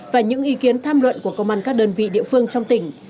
và những ý kiến tham luận của công an các đơn vị địa phương trong tỉnh